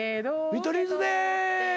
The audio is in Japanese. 見取り図です。